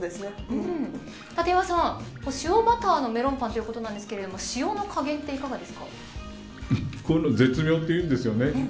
立岩さん、塩バターのメロンパンということなんですがこういうの絶妙というんですよね。